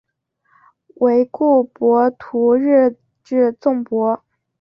惟故博徒日至纵博。